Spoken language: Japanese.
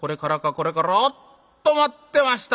これおっと待ってました